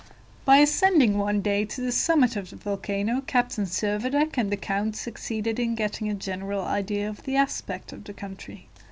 By ascending one day to the summit of the volcano, Captain Servadac and the count succeeded in getting a general idea of the aspect of the country.